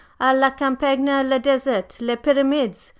"_À la campagne le desert les pyramides!